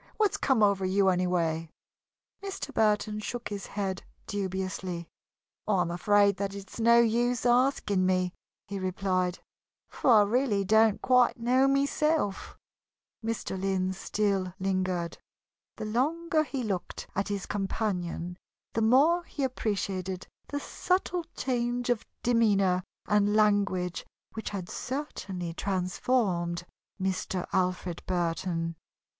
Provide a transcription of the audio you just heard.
What's come over you, anyway?" Mr. Burton shook his head dubiously. "I am afraid that it is no use asking me," he replied, "for I really don't quite know myself." Mr. Lynn still lingered. The longer he looked at his companion, the more he appreciated the subtle change of demeanor and language which had certainly transformed Mr. Alfred Burton.